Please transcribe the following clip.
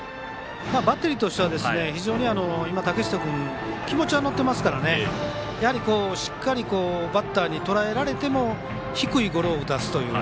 バッテリーとしては非常に今、竹下君は気持ちは乗っていますからしっかりバッターにとらえられても低いゴロを打たせるという。